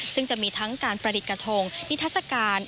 ซึ่งจะมีทั้งการประดิษฐ์กระทงนิทัศกาล